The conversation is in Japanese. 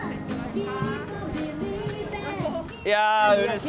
いやうれしい。